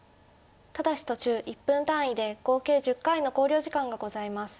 ただし途中１分単位で合計１０回の考慮時間がございます。